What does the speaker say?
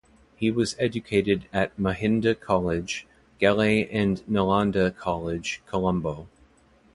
He was educated at Mahinda College, Galle and Nalanda College Colombo.